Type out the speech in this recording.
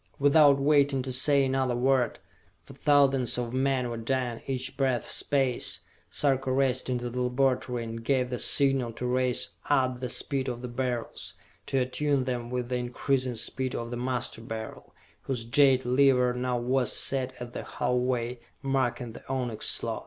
Without waiting to say another word, for thousands of men were dying each breath space, Sarka raced into the laboratory and gave the signal to race up the speed of the Beryls, to attune them with the increasing speed of the Master Beryl, whose jade lever now was set at the halfway mark in the onyx slot.